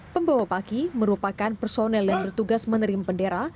pembawa paki merupakan personel yang bertugas menerima bendera